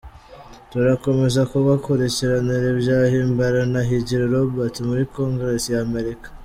Turakomeza kubakurikiranira ibya Himbara na Higiro Robert muri Congres ya America…